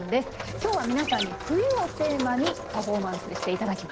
今日は皆さんに“冬”をテーマにパフォーマンスして頂きます。